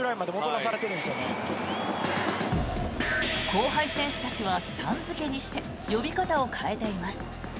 後輩選手たちはさん付けにして呼び方を変えています。